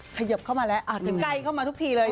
เขยิบเข้ามาแล้วถึงไกลเข้ามาทุกทีเลย